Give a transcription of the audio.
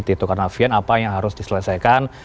di tukar navian apa yang harus diselesaikan